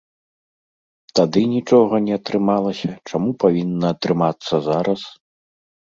Тады нічога не атрымалася, чаму павінна атрымацца зараз?